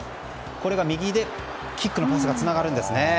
右でキックのパスがつながるんですね。